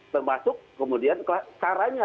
termasuk kemudian sarannya